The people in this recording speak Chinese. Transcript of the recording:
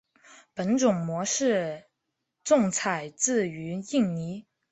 本种模式种采自于印尼。